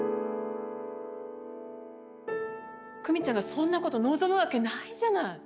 久美ちゃんがそんなこと望むわけないじゃない！